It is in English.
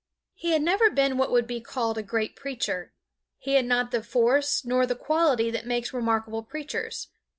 He had never been what would be called a great preacher. He had not the force nor the quality that makes remarkable preachers.